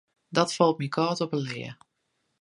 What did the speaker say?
Dat falt my kâld op 'e lea.